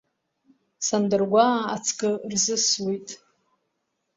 Сандыргәаа, ацкы рзызуит…